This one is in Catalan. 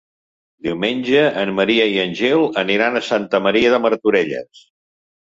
Diumenge en Maria i en Gil aniran a Santa Maria de Martorelles.